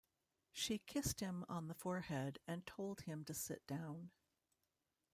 She kissed him on the forehead and told him to sit down